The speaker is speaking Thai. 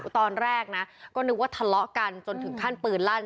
ตอนแรกนะก็นึกว่าทะเลาะกันจนถึงขั้นปืนลั่น